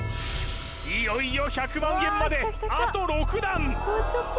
いよいよ１００万円まであと６段